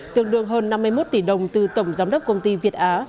tương đương hơn năm mươi một tỷ đồng từ tổng giám đốc công ty việt á